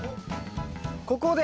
ここで。